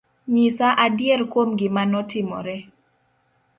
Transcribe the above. Nyisa adier kuom gima notimore